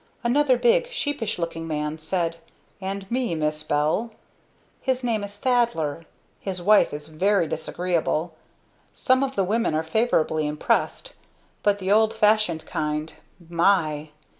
Another big, sheepish looking man said, 'And me, Miss Bell.' His name is Thaddler; his wife is very disagreeable. Some of the women are favorably impressed, but the old fashioned kind my!